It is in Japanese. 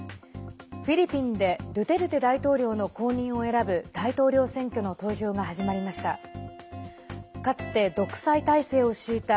フィリピンでドゥテルテ大統領の後任を選ぶ大統領選挙の投票が始まりました。